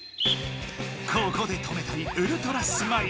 ここで止めたいウルトラスマイルズ。